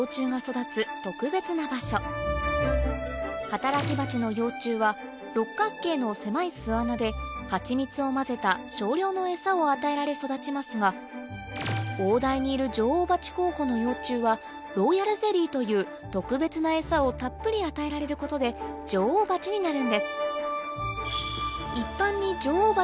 働きバチの幼虫は六角形の狭い巣穴でハチミツを混ぜた少量のエサを与えられ育ちますが王台にいる女王蜂候補の幼虫はローヤルゼリーという特別なエサをたっぷり与えられることで女王蜂になるんです